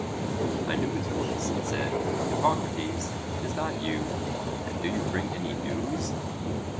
I knew his voice, and said: Hippocrates, is that you? and do you bring any news?